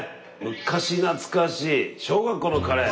昔懐かしい小学校のカレー。